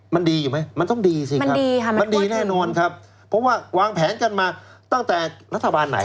มันดีอยู่ไหมมันต้องดีสิครับมันดีแน่นอนครับเพราะว่าวางแผนกันมาตั้งแต่รัฐบาลไหน